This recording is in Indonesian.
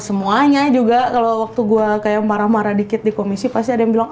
semuanya juga kalau waktu gue kayak marah marah dikit di komisi pasti ada yang bilang